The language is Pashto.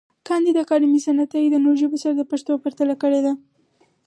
کانديد اکاډميسن عطایي د نورو ژبو سره د پښتو پرتله کړې ده.